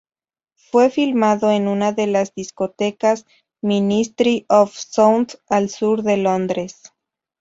Fue filmado en una de las discotecas Ministry Of Sound al sur de Londres.